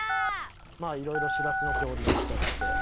まあいろいろしらすの料理もしたりしてどうでしたか？